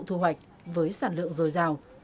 thu hoạch với sản lượng dồi dào